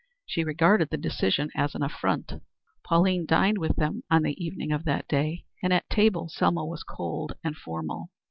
She regarded the decision as an affront. Pauline dined with them on the evening of that day, and at table Selma was cold and formal.